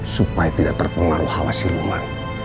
supaya tidak terpengaruh hawa si umar